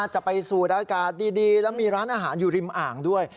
จะไปสูดอากาศดีแล้วมีร้านอาหารอยู่ริมอ่างด้วย